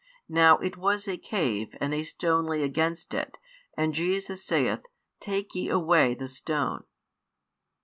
Now it was a cave, and a stone lay against it. And Jesus saith, Take ye away the stone.